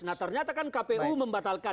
menyatakan kpu membatalkan